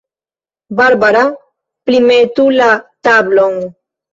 Barbara, primetu la tablon.